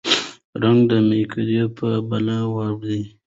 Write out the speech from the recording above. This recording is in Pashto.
رنګ د مېکدې په بله واړوه